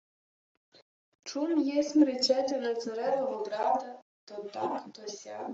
— Чув єсмь, речете на царевого брата то так то сяк...